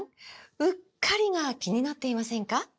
“うっかり”が気になっていませんか？